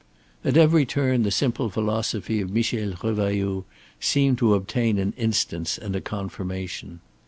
At every turn the simple philosophy of Michel Revailloud seemed to obtain an instance and a confirmation.